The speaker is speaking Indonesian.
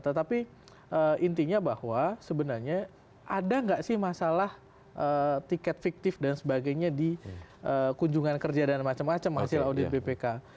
tetapi intinya bahwa sebenarnya ada nggak sih masalah tiket fiktif dan sebagainya di kunjungan kerja dan macam macam hasil audit bpk